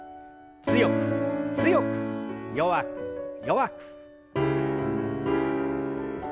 強く強く弱く弱く。